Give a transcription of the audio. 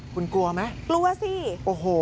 คุณกลัวไหมกลัวสิโอ้โห